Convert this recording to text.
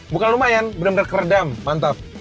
bukan lumayan bener bener keredam mantap